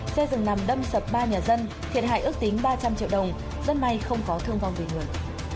xe dừng nằm đâm sập ba nhà dân thiệt hại ước tính ba trăm linh triệu đồng rất may không có thương vong về người